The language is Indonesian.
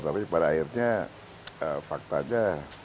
tapi pada akhirnya fakta aja